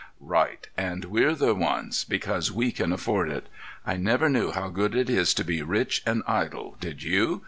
"Right! And we're the ones, because we can afford it. I never knew how good it is to be rich and idle—did you?